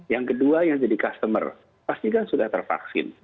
yang kedua yang jadi customer pastikan sudah tervaksin